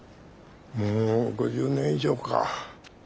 もう５０年以上か。